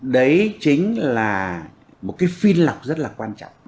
đấy chính là một phiên lọc rất quan trọng